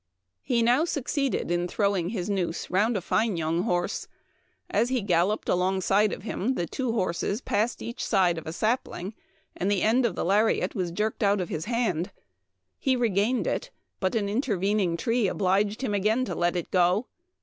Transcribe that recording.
" He now succeeded in throwing his noose round a fine young horse. As he galloped along side of him the two horses passed each Mi gUm Irving, side of a sapling, and the end of the lariat was jerked out of his hand. He regained it, bur an intervening tree obliged him again to let it go.